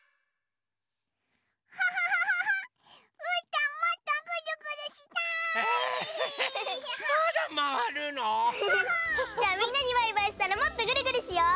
じゃあみんなにバイバイしたらもっとぐるぐるしよう！